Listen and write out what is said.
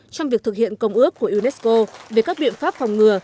trong việc thực hiện công ước của unesco về các biện pháp phòng ngừa